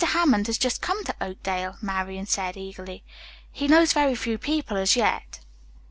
Hammond has just come to Oakdale," Marian said eagerly. "He knows very few people as yet."